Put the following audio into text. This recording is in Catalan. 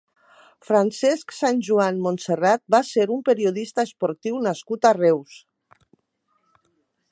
Francesc Sanjuan Montserrat va ser un periodista esportiu nascut a Reus.